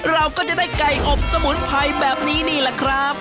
เราก็จะได้ไก่อบสมุนไพรแบบนี้นี่แหละครับ